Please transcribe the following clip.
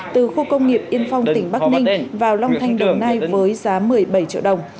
từ khu công nghiệp yên phong tỉnh bắc ninh vào long thanh đồng nai với giá một mươi bảy triệu đồng